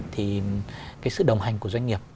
thì cái sự đồng hành của doanh nghiệp